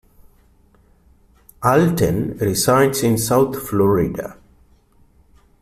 Alten resides in South Florida.